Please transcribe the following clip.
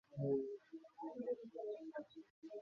যুক্তরাষ্ট্রে চতুর্থ।